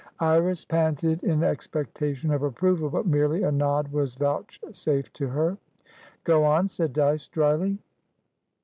Iris panted in expectation of approval. But merely a nod was vouchsafed to her. "Go on," said Dyce, drily.